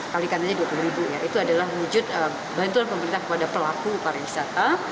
kali katanya dua puluh ribu ya itu adalah wujud bantuan pemerintah kepada pelaku pariwisata